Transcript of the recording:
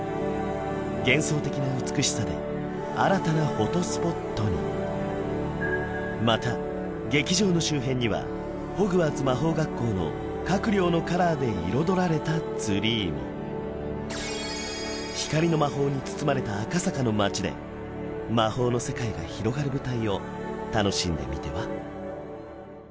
幻想的な美しさで新たなフォトスポットにまた劇場の周辺にはホグワーツ魔法学校の各寮のカラーで彩られたツリーも光の魔法に包まれた赤坂の街で魔法の世界が広がる舞台を楽しんでみては？